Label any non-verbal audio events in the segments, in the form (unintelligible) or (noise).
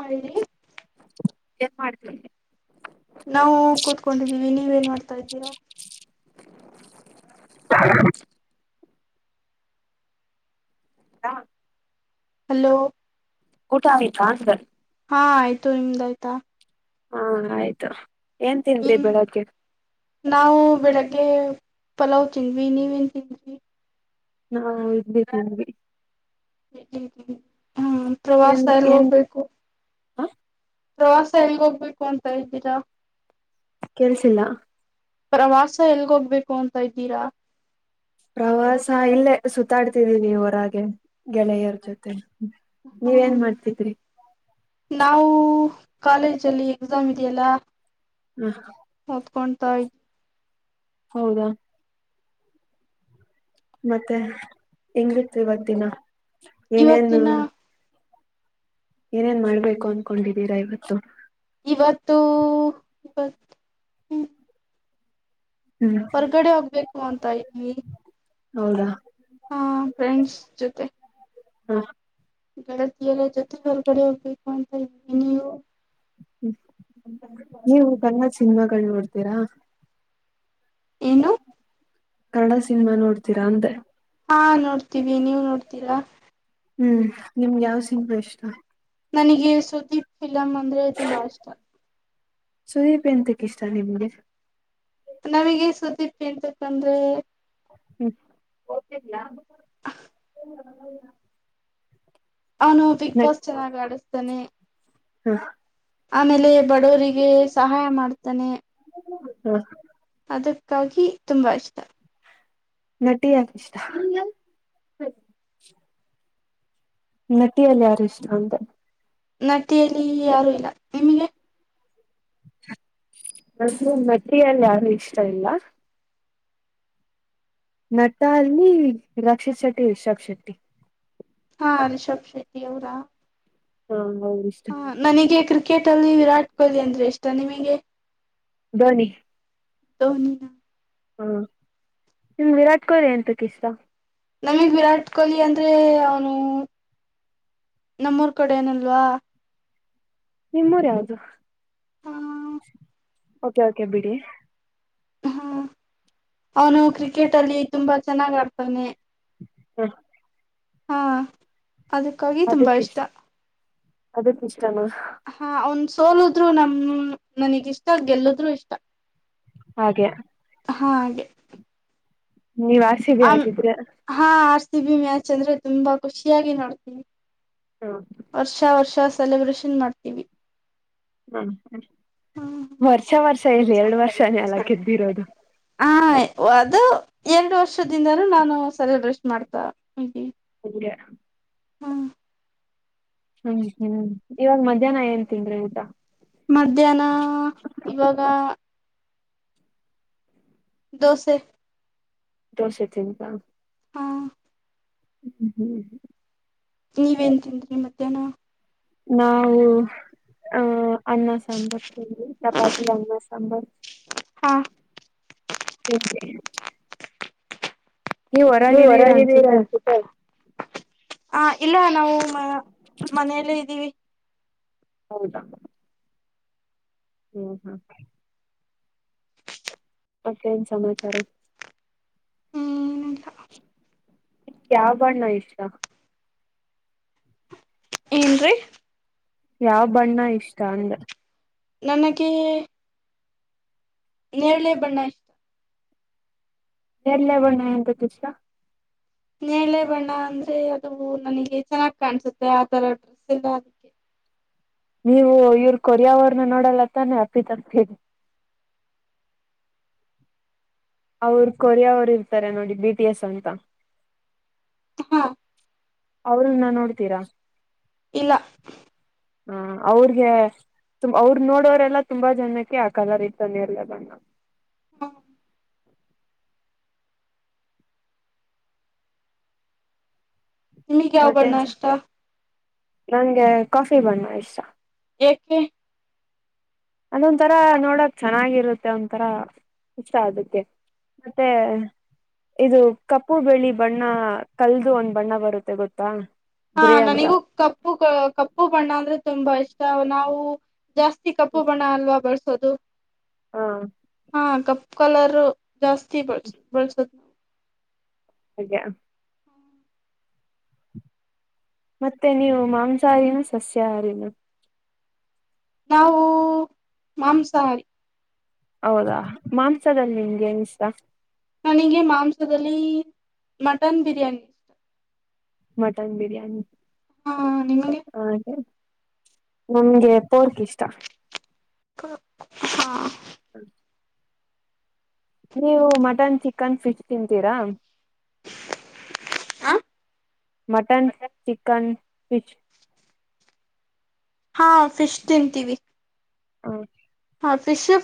I (unintelligible) ಏನ್ ಮಾಡಿದ್ರು ನಾವು ಕೂತ್ಕೊಂಡಿದ್ದೀವಿ ನೀವ್ ಏನ್ ಮಾಡ್ತಾ ಇದ್ದೀರಾ ಹ (unintelligible) ಆಯ್ತಾ ಹಲೋ ಊಟ ಆಯ್ತಾ ಅಂದೆ ಹಾ ಆಯ್ತು ನಿಮ್ದಾಯಯ್ತಾ ಹಾ ಆಯ್ತು ಏನ್ ತಿಂದ್ರಿ ಇನ್ ಬೆಳಗ್ಗೆ ನಾವು ಬೆಳಗ್ಗೆ ಪಲಾವ್ ತಿಂದ್ವಿ ನೀವೇನ್ ತಿಂದ್ರಿ ನಾವು ಹಿಡ್ಲಿ ತಿಂಧ್ವಿ ಹೂ ಪ್ರವಾಸ ಏನ್ ಎಲ್ಲ ಏನ್ ಹೋಗ್ಬೇಕು ಪ್ರವಾಸ ಎಲ್ಲಿ ಹೋಗಬೇಕು ಅಂತ ಇದ್ದೀರಾ - ಕೆಲ್ಸಿಲ್ಲ ಪ್ರವಾಸ ಎಲ್ಗೋಗ್ಬೇಕು ಅಂತ ಇದ್ದೀರಾ ಪ್ರವಾಸ ಇಲ್ಲೇ ಸುತ್ತಾಡ್ತಿದೀವಿ ಹೊರಗೆ ಗೆಳೆಯರ ಜೊತೆ ಹೂ ನೀವೇನ್ ಮಾಡ್ತಿದ್ರಿ ನಾವು ಕಾಲೇಜಲ್ಲಿ ಎಕ್ಸಾಮ್ ಇದೆಯಲ್ಲಾ ಹ ಓತ್ಕೊತಾ ಹೌದಾ ಮತ್ತೆ ಹೆಂಗಿತ್ತು ಇವತ್ ದಿನ ಏನೇನ್ ಇವತ್ತಿನ ಏನೇನ್ ಮಾಡ್ಬೇಕು ಅನ್ಕೊಂಡಿದ್ದೀರಾ ಇವತ್ತು ಇವತ್ತು ಇವತ್ತು ಹ್ಮ್ ಹೊರ್ಗಡೆ ಹೋಗ್ಬೇಕು ಅಂತ ಇದ್ವಿ ಹೌದಾ ಹಾ ಫ್ರೆಂಡ್ಸ್ ಜೊತೆ ಹೂ ಗೆಳತಿಯರ ಜೊತೆ ಹೊರಗಡೆ ಹೋಗಬೇಕು ಅಂತ ನೀವು ಹೂ ನೀವು ಕನ್ನಡ ಸಿನಿಮಾಗಳ ನೋಡ್ತೀರಾ ಏನು ಕನ್ನಡ ಸಿನಿಮಾ ನೋಡ್ತೀರಾ ಅಂದ್ರೆ ಹಾ ನೋಡ್ತೀವಿ ನೀವು್ ನೋಡ್ತೀರಾ ಹ್ಮ್ಹೂ ನಿಮ್ಗೆ ಯಾವ್ ಸಿನಿಮಾ ಇಷ್ಟ ನನಗೆ ಸುದೀಪ್ ಫಿಲಮ್ ಅಂದ್ರೆ ಬಾಳ ಇಷ್ಟ ಸುದೀಪ್ ಎಂತಕ್ ಇಷ್ಟ ನಿಮ್ಗೆ ನಮ್ಗೆ ಸುದೀಪ್ ಎಂತಂಕಂದ್ರೆ ಹೂ ಹಾ ಅವ್ನು ಬಿಗ್ ಬಾಸ್ ಚೆನ್ನಾಗಿ್ ಆಡಿಸ್ತೇನೆ ಹ ಆಮೇಲೆ ಬಡವರಿಗೆ ಸಹಾಯ ಮಾಡ್ತಾನೆ ಹ ಅದಕ್ಕಾಗಿ ತುಂಬಾ ಇಷ್ಟ ನಟಿಿಯಕ ಇಷ್ಟ ನಟಿಯಲ್ ಯಾರ್ ಇಷ್ಟ ಅಂತ. ನಟಿಯಲ್ಲಿ ಯಾರು ಇಲ್ಲ ನಿಮಿಗೆ. ನಂಗು ನಟಿಯಲ್ ಯಾರು ಇಷ್ಟ ಇಲ್ಲ. ನಟ ಅಲ್ಲಿ ರಕ್ಷಿತ್ ಶೆಟ್ಟಿ ರಿಷಬ್ ಶೆಟ್ಟಿ. ಹಾ ರಿಷಬ್ ಶೆಟ್ಟಿ ಅವ್ರಾ. ಹಾ ಅವ್ರ್ ಇಷ್ಟ. ನನಿಗೆ ಕ್ರಿಕೆಟ್ ಅಲ್ಲಿ ವಿರಾಟ್ ಕೊಹ್ಲಿ ಅಂದ್ರೆ ಇಷ್ಟ ನಿಮಿಗೆ. ಧೋನಿ. ಧೋನಿ ನ. ಹಾ ನಿಮ್ ವಿರಾಟ್ ಕೊಹ್ಲಿ ಎಂತಕ್ ಇಷ್ಟ. ನಮಗ್ ವಿರಾಟ್ ಕೊಹ್ಲಿ ಅಂದ್ರೆ ಅವ್ನು ನಮ್ಮೂರ್ ಕಡೆ ಅವ್ನ್ ಅಲ್ವಾ. ನಿಮ್ ಊರ್ ಯಾವ್ದು ಹ ಓಕೆ ಓಕೆ ಬಿಡಿ. ಹ್ಮ ಅವನು ಕ್ರಿಕೆಟ್ ಅಲ್ಲಿ ತುಂಬಾ ಚೆನ್ನಾಗ ಆಡ್ತಾನೆ. ಹಾ. ಹಾ. ಅದಕಾಗಿ ಅದಕಿಸ್ಟ್ ಅದಕಿಸ್ಟಾನಾ. ಹಾ ಅವ್ನ್ ಸೋಲುದ್ರು ನಮ್ ನನಿಗ್ ಇಷ್ಟ ಗೆಲ್ಲುದ್ರು ಇಷ್ಟ. ಹಾಗೆ. ಹಾ ಹಾಗೆ. ನೀವ್ ಆರ್ಸಿಬಿ ಹಾಗಿದ್ರೆ. ಹಾ ಆರ್ಸಿಬಿ ಮ್ಯಾಚ್ ಅಂದ್ರೆ ತುಂಬಾ ಖುಷಿಯಾಗಿ ನೋಡ್ತಿನಿ. ಹಾ. ವರ್ಷ ವರ್ಷ ಸೆಲೆಬ್ರೇಷನ್ ಮಾಡ್ತೀವಿ. ಹ್ಮ ವರ್ಷ ವರ್ಷ ಎಲ್ಲಿ ಎರಡ್ ವರ್ಷನೆ ಅಲ ಗೆದ್ದಿರದು. ಹಾ ಅದು ಎರಡ್ ವರ್ಷದಿಂದನು ನಾನು ಸೆಲೆಬ್ರೇಷನ್ ಮಾಡ್ತಾ ಇದೀನಿ. ಹಂಗೆ. ಹ್ಮ್. ಹ್ಮ್ ಹ್ಮ್ ಇವಾಗ್ ಮಧ್ಯಾಹ್ನ ಏನ್ ತಿಂದ್ರಿ ಊಟ. ಮಧ್ಯಾಹ್ನ ಇವಾಗ. ದೋಸೆ. ದೋಸೆ ತಿಂದ್ರ. ಹಾ ಹ್ಮ್ ಹ್ಮ್ ಹ್ಮ್. ನೀವ್ ಏನ್ ತಿಂದ್ರಿ ಮಧ್ಯಾಹ್ನ. ನಾವು. ಹಾ ಅನ್ನ ಸಾಂಬಾರ್ ಪೂರಿ ಚಪಾತಿ ಅನ್ನ ಸಾಂಬಾರ್. ಹಾ. (unintelligible) ನೀವ್ ಹೊರಗಿದೀರಾ ಅನ್ಸುತ್ತೆ. ಹ ಇಲ್ಲ ನಾವು ಮ ಮನೇಲೆ ಇದೀವಿ. ಹೌದಾ. ಹ್ಮ್ ಹಾ. ಮತ್ತೆೇನ್ ಸಮಾಚಾರ. ಹ್ಮ್ ಯಾವ್ ಬಣ್ಣ ಇಷ್ಟ. ಏನ್ರಿ. ಯಾವ ಬಣ್ಣ ಇಷ್ಟ ಅಂದ್ರ ನನಗೆ ನೇರಳೇ ಬಣ್ಣ ಎಲ್ಲ ಬರ್ಣ್ಣ ಎಂತ ದಷ ನೇಳೆ ಬಣ್ಣ ಅಂದ್ರೆ ಅದು ನನಗೆ ಚೆನ್ನಾಗಿ ಕಾಣ್ಸುತ್ತೆ ಆ ತರ ಡ್ರೆಸ್ ಎಲ್ಲ ಅ ನೀವು ಇವ್ರ ಕೊರಿಯ ಅವರ್ನ ನೋಡಲ್ಲತ್ತಾನೆ ಅಪ್ಪಿ ತನ್ ಹೇಳಿ ಅವರು ಕೊರಿಯ ಅವರ್ ಇರ್ತಾರೆ ನೋಡಿ ಬಿ ಟಿ ಎಸ್ ಅಂತ ಹಾ ಅವರುನ್ನ ನೋಡ್ತೀರಾ ಇಲ್ಲ ಹಾ ಅವ್ರಗೆ ತುಂಬ ಅವ್ರರು ನೋಡೋರೆಲ್ಲ ತುಂಬಾ ಜನಕ್ಕೆ ಆ ಕಲರ್ ಇತಾನೆ ಇರ್ಲ್ಲದಣ ಹ್ಮ ನಿಮಗ್ ಯಾವ ಬಣ್ಣ ಮತ್ತೆನ್ಸ ಇಷ್ಟ ನಂಗೆ ಕಾಫಿ ಬಣ್ಣ ಇಷ್ಟ ಏಕೆ ಅದೊಂಂತರ ನೋಡಕ್ ಚೆನ್ನಾಗಿರುತ್ತೆ ಒಂಂತರಾ ಇಷ್ಟ ಅದಕ್ಕೆ ಮತ್ತೆ ಇದು ಕಪ್ಪು ಬೆಳಿ ಬಣ್ಣ ಕಲ್ದು ಒಂದ್ ಬಣ್ಣ ಬರುತ್ತೆ ಗೊತ್ತಾ ಹಾ ಗ್ರೇ ಅಂತ ನನಿಗೂ ಕಪ್ಪು ಕಪ್ಪು ಬಣ್ಣ ಅಂದ್ರೆ ತುಂಬಾ ಇಷ್ಟ ನಾವು ಜಾಸ್ತಿ ಕಪ್ಪು ಬಣ ಅಲ್ವಾ ಬರ್ಸೋದು ಹಾ ಹಾ ಕಪ್ ಕಲರ್ ಜಾಸ್ತಿ ಬಳಸ ಬಳಸದ ಹಾಗಾ ಮತ್ತೆ ನೀವು ಮಾಂಸಾಹಾರನು ಸಸ್ಯಾಹಾರನು ನಾವು ಮಾಂಸಾಹಾರಿ ಹೌದಾ ಮಾಂಸದಲ್ಲಿ ನಿಮ್ಗೆ ನ್ ಇಷ್ಟ ನನಗೆ ಮಾಂಸದಲ್ಲಿ ಮಟನ್ ಬಿರಿಯಾನಿ ಇಷ್ಟ ಮಟನ್ ಬಿರಿಯಾನಿ ಹಾ ನಿಮ್ಮದ ಹಾಗೆ ನಮ್ಗೆ ತೋರ್ಕ್ ಇಷ್ಟ ಹಾ ಹ ನೀವು ಮಟನ್ ಚಿಕನ್ ಫಿಶ್ ತಿಂತೀರಾ ಹ ಮಟನ್ ಚಿಕನ್ ಪಫಿಶ್ ಹಾ ಫಿಶ್ ತಿಂತೀವಿ ಹೌ ಹಾಂ ಫಿಶು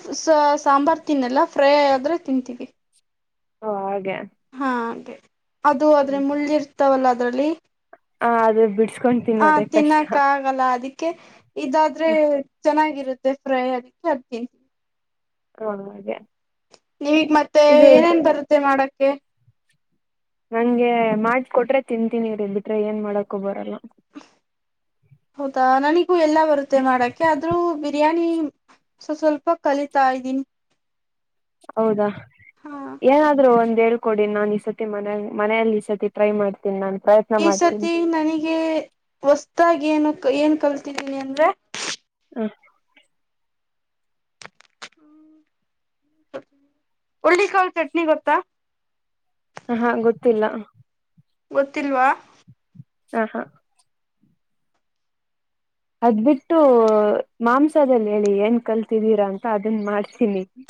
ಸಾಂಬಾರು ತಿನ್ನಲ್ಲ ಫ್ರೈ ಆದ್ರರೆ ತಿಂತೀವಿ ಓ ಹಾಗೆ ಹಾ ಅದು ಆದ್ರೆ ಹ ಮುಳ್ಳಿ ಇರ್ತಾವಲ್ಲ ಅದ್ರಲ್ಲಿ ಹ ಅದ ಬಿಡ್ಸ್ಕೊತೀನ ಅದೇ ಕಷ್ಟ ಲ್ಲ ಅದಕ್ಕೆ ಇದಾದ್ರೆ ಹ ಚೆನ್ನಾಗಿರುತ್ತೆ ಫ್ರೈ ಅದಕ್ಕೆ ಅದಕ್ಕ ಹೌ ಹಾಗೆ ನೀವಗ್ ಮತ್ತೆ ಇದು ಏನೇನ್ ಬರುತ್ತೆ ಮಾಡಕ್ಕೆ ನಂಗೆ ಮಾಡಕೊಟ್ರೆ ತಿಂತೀನಿ ರೀ ಬಿಟ್ರೆ ಏನ್ ಮಾಡಕ್ಕೊ ಬರಲ್ಲ ಹೌದಾ ನನಿಗೂ ಎಲ್ಲ ಬರುತ್ತೆ ಮಾಡಕ್ಕೆ ಆದ್ರೂ ಬಿರಿಯಾನಿ ಸೊ ಸ್ವಲ್ಪ ಕಲಿತಾ ಇದ್ದೀನಿ ಹೌದಾ ಹಾ ಏನಾದ್ೂ ಒಂದೆರಡು ಕೊಡಿ ನಾನ್ ಈ ಸತಿ ಮನ ಮನೆಯಲ್ಲಿ ಈ ಸತಿ ಟ್ರೈ ಮಾಡ್ೀನಿ ನಾನನ್ೈ ಈ ಸತಿ ನನಗೆ ಹೊತಾಗಿ ಏನು ಏನ್ ಕಲ್ತಿದ್ದೀನಿ ಅಂದ್ರೆ ಹ ಹ್ಮ ಉಳ್ಳಿಕಾಲ್ ಚಟ್ನಿ ಗೊತ್ತಾ ಹಾ ಗೊತ್ತಿಲ್ಲ ಗೊತ್ತಿಲ್ವಾ (unintelligible) ಹ ಹಾ (unintelligible) ಅದ್ ಬಿಟ್ಟು ಮಾಂಸದಲ್ಲಿ ಹೇಳಿ ಏನ್ ಕಲ್ತಿದ್ದೀರಾ ಅಂತ ಅದನ್ ಮಾಡ್ತೀನಿ (unintelligible)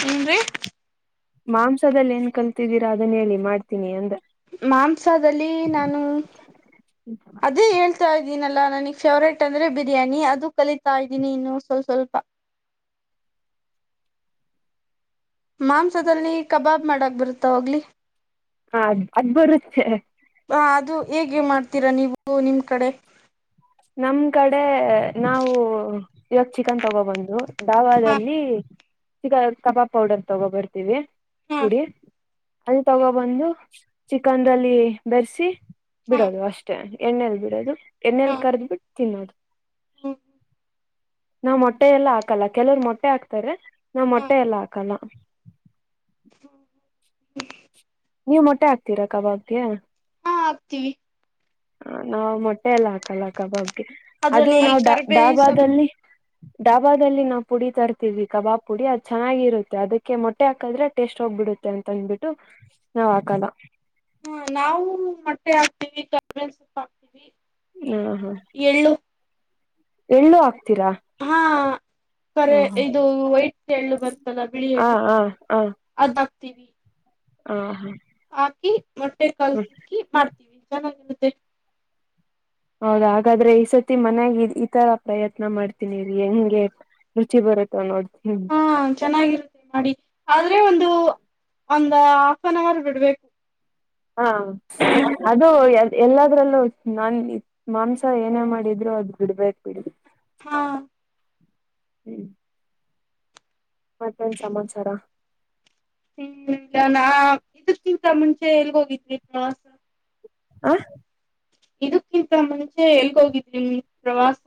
ಹಂದ (unintelligible) ಮಾಂಸದಲ್ಲಿ ಏನ್ ಕಲ್ತಿದ್ದೀರಾ ಅದನ್ನ ಹೇಳಿ ಮಾಡ್ತೀನಿ ಅಂತ (unintelligible) ಮಾಂಸದಲ್ಲಿ ನಾನು ಅದೇ ಹೇಳ್ (unintelligible) ಕಲತಾ ಇದ್ದೀನಲ್ಲಾ ನನಗ್ ಫೇವ್ರೇಟ್ ಅಂದ್ರೆ ಬಿರಿಯಾನಿ ಅದು ಕಲಿತಾ ಇದೀನಿ ಇನ್ನು ಸ್ವಲ್ಪ ಸ್ವಲ್ಪ (unintelligible) ಮಾಂಸದಲ್ಲಿ ಕಬಾಬ್ ಮಾಡಕ್ ಬರುತ್ತಾ ಹೋಗ್ಲಿ (unintelligible) ಹ ಅದ್ ಬರು (unintelligible) ಅದು ಹೇಗೆ ಮಾಡ್ತೀರಾ ನೀವು ನಿಮ್ಮ ಕಡೆ (unintelligible) ನಮ್ ಕಡೆ ನಾವು ಇವಾಗ ಚಿಕನ್ ತಗೋಬಂದು (unintelligible) ಹ ಧಾವಾದಲ್ಲಿ ಚಿಕ್ಕ ಕಬಾಬ್ ಪೌಡರ್ ತಗೋಬರ್ತೀವಿ ಹಾ ಪುಡಿ (unintelligible) ಅಲ್ಲಿ ತಗೋಬಂದು ಚಿಕನ್ಲ್ಲಿ ಬೆರೆಸಿ ಹಾ ಬಿಡೋದು ಅಷ್ಟೇ (unintelligible) ಅಷ್ಟ ಎಣ್ಣೆಲ್ ಬಿಡೋದು ಹಾ ಎಣ್ಣಲಿ ಹಾ ಕರ್ದ ಬಿಿಟ್ಟು ತಿನ್ನೋದು ನಾವ್ ಮೊಟ್ಟೆ ಎಲ್ಲ ಹಾಕಲ್ಲ ಕೆಲವರು ಮೊಟ್ಟೆ ಹಾಕ್ತಾರೆ ನಾವ್ ಹಾ ಮೊಟ್ಟೆ ಎಲ್ಲ ಹಾಕಲ್ಲ ನೀವು್ ಮೊಟ್ಟೆ ಹಾಕ್ತೀರಾ ಕಬಾಬ್ಗೆ ಹಾಕ್ತೀವಿ ಹ ನಾವ್ ಮೊಟ್ಟೆ ಎಲ್ಲ ಹಾಕಲ್ಲ ಕಬಾಬ್ಗೆ ಅದು ಅದ್ರಲ್ಲಿ ನಾವ್ ಡಾ ಕರ್ಬೇವ್ ಸೊಪ್ ಡಾಬಾದಲ್ಲಿ ಡಾಬಾದಲ್ಲಿ ನಾವವು ಪುಡಿ ತರ್ತೀವಿ ಕಬಾಬ್ ಪುಡಿ ಅದ್ ಚೆನ್ನಾಗಿರುತ್ತೆ ಅದಕ್ಕೆ ಮೊಟ್ಟೆ ಹಾಕಿದ್ರೆ ಟೇಸ್ಟ್ ಹೋಗ್ಬಿಡುತ್ತೆ ಅಂತ ಅಂದಬಿಟ್ಟು ನಾವ್ ಹಾಕೋಲ್ಲ ಹ್ಮ ನಾವು ಮೊಟ್ಟೆ ಹಾಕ್ತಿೀವಿ ಕಬೇಲ್ ಸೊಪ್ಪ ಹಾಕ್ತಿೀವಿ ಹ್ಮ ಹಾ ಎಏಳ್ಳು ಎಳ್ಳು ಹಾಕ್ತೀರಾ ಹಾ ಹ ಕರೆ ಇದು ವೈಟ್ ಎಳ್ಳು ಬರ್ತಲ್ಲ ಬಿಳಿ ಹಾ ಎಳ್ಳು ಹಾ ಹಾ ಅದ್ ಬಕ್ತಿೀವಿ ಹ ಹಾ ಹಾಕಿ ಮೊಟ್ಟೆ ಹ್ಮ ಕಲ್ಸಿಕ್ಕಿ ಮಾಡ್ತೀವಿ ಚೆನ್ನಾಗಿರುತ್ತೆ ಹೌದಾ ಹಾಗಾದ್ರೆ ಈ ಸತಿ ಮನ್ಯಾಗ ಈ ತರ ಪ್ರಯತ್ನ ಮಾಡ್ತೀನಿ ರರಿ ಹೆಂಗೆ ರುಚಿ ಬರುತ್ತಾ ನೋಡ್ತ ಹ ಚೆನ್ನಾಗಿರುತ್ತೆ ಮಾಡಿ ಆದ್ರೆ ಒಂದು ಒಂದ ಹಾಫ್ ಅನ್ ಅವರ್ ಬಿಡ್ಬೇಕು ಹಾ ಅದು ಎಲ್ಲದ್ರಲ್ಲೂ ನನ್ ಮಾಂಸ ಏನೇ ಮಾಡಿದ್ರು ಅದ ಬಿಡ್ಬೇಕೇಕ್ ಬಿಡ ಹಾ ಹ್ಮ್ ಮತ್ತೊನ್್ ಚಮತ್ಚಾರ ಹಲ್ಲ ನಾ ಇದಕ್ಕಿಂತ ಮುಂಚೆ ಎಲ್ಲಿಗೋಗಿದ್ವಿ ಪ್ರ ಆ ಇದಕ್ಕಿಂತ ಮುಂಚೆ ಎಲ್ಗೋಗಿದ್ರಿ ಪ್ರವಾಸ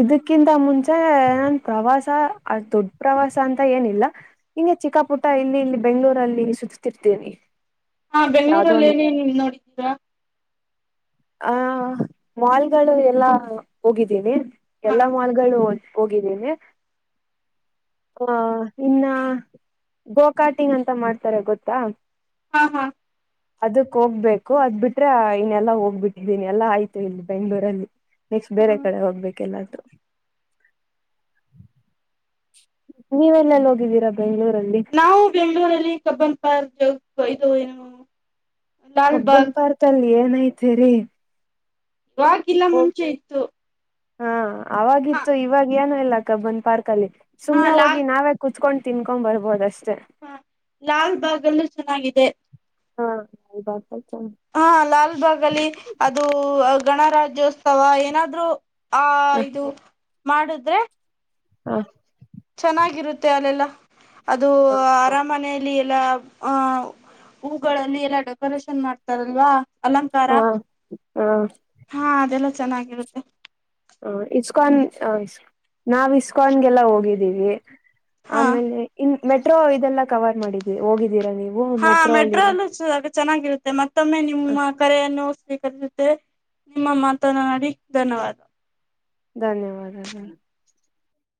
ಇದಕ್ಕಿಂತ ಮುಂಚೆ ನನ್ ಪ್ರವಾಸ ದೊಡ್ ಪ್ರವಾಸ ಅಂತ ಏನಿಲ್ಲ ಹಿಂಗೆ ಚಿಕ್ಕಾಪುಟ ಇಲ್ಲಿ ಇಲ್ಲಿ ಬೆಂಗಗಳೂರಲ್ಲಿ ಸುತ್ತುತ್ತರ್ತೇ ಹಾ ಬೆಂಗಳೂರಲ್ಲಿ ಏನೇ ನೀ ನೋಡಿದ್ದೀರಾ ಆ ಮಾಲ್ಗಳು ಎಲ್ಲಾ ಹೋಗಿದ್ದೀನಿ ಹಾ ಎಲ್ಲಾ ಮಾಲ್ಗಳು ಹೋಗಿದ್ದೇನೆ ಆಹ ಇನ್ನ ಗೋಕಾಟಿನ್ ಅಂತ ಮಾಡ್ತಾರೆ ಗೊತ್ತಾ ಹಾ ಹಾ ಅದಕ್ ಹೋಗ್ಬೇಕು ಅದ್ ಬಿಟ್ರೆ ಇನೆಲ್ಲ ಹೋಗ ಗ ಬಿಟ್ಟಿದ್ದೀನಿ ಎಲ್ಲಾ ಆಯ್ತು ಇಲ್ಲಿ ಬೆಂಗ್ಗಳೂರಲ್ಲಿ ನೆಕ್ಸ್ಟ್ ಹಾ ಬೇರೆ ಕಡೆ ಹೋಗ್ಬೇಕ ಎಲ್ಲಾದ್ರು ನೀವೆಲ್ಲಲ್ಲಿ ಹೋಗಿದ್ದೀರಾ ಬೆಂಗಳೂರಲ್ಲಿ ನಾವು ಬೆಂಗಳೂರಲ್ಲಿ ಕಬ್ಬನ್ ಪಾರ್ಕ್ ಜ ಒಯ್ದ ಏನು ಲಾಲ್ಬಾಗ್ ಕಬ್ಬನ್ ಪಾರ್ಕ್ ಅಲ್ಲಿ ಏನಐತಿರಿ ರಾಗಿಲ್ಲ ಮುಂಚೆ ಇತ್ತು ಹಾ ಹ ಅವಾಗಿತ್ತು ಇವಾಗ ಏನು ಇಲ್ಲ ಕಬ್ಬನ್ ಪಾರ್ಕ್ ಅಲ್ಲಿ ಹಾ ಸುಮನೆ ಹೋಗಿ ಲಾಲ್ ನಾವ್ ಕುತ್ಕೊಂಡು ತಿನ್ಕೊಂಡ್ ಬರ್ಬೋದು ಅಷ್ಟೇ ಹಾ ಲಾಲ್ ಬಾಗ್ ಎಲ್ಲೂ ಚೆನ್ನಾಗಿದೆ ಹಾ ಯ ಬತ (unintelligible) ಹಾ ಲಾಲ್ಬಾಗ್ ಅಲ್ಲಿ ಅದು ಗಣರಾಜ್ಯೋತ್ಸವ ಏನಾದ್ ಆ ಇದು ಮಾಡುದ್ರೆ ಹಾ ಚೆನ್ನಾಗಿರುತ್ತೆ ಅಲ್ಲೆಲ್ಲ ಅದು ಅರಾಮನೆಯಲ್ಲಿ ಎಲ್ಲ ಹೂಗಳಲ್ಲಿ ಎಲ್ಲ ಡೆಕೋರೇಷನ್ ಮಾಡ್ತಾರಲ್ವಾ ಅಲಂಕಾರ ಹಾ ಹಾ ಅದೆಲ್ಲ ಚೆನ್ನಾಗಿರುತ್ತೆ ಹ ಇಸ್ಕಾನ್ಸ್ ನಾವ್ ಇಸ್ಕಾನ್ಗೆಲ್ಲ ಹೋಗಿದ್ದೀವಿ ಹಾ ಆಮೇಲೆ ಇನ್ ಮೆಟ್ರೋ ಇದೆಲ್ಲ ಕವರ್ ಮಾಡಿದೀ ಹೋಗಿದ್ದೀರಾ ನೀವು ಹಾ ಮೆಟ್ರೋ ಅಲ್ಲಿರೋ ಮೆಟ್ರೋಲ್ಲೂ ಚೆನ್ನಾಗಿರುತ್ತೆ ಮತ್ತೊಮ್ಮೆ ನಿಮ್ಮ ಕರೆಯನ್ನು ಓಸ್ಬೇಕ ಕಲಸುತ್ತೆ ನಿಮ್ಮ ಮಾತನ್ನ ನಡಿ ಧನ್ಯವಾದ ಧನ್ಯವಾದಗಳು